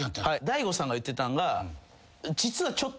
大悟さんが言ってたんが。